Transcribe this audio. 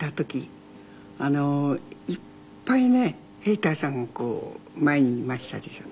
いっぱいね兵隊さんがこう前にいましたでしょ。